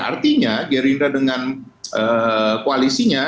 artinya gerinda dengan koalisinya